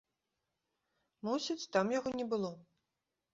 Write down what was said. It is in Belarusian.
Мусіць, там яго не было.